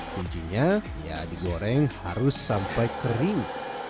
kuncinya ya digoreng harus sampai kering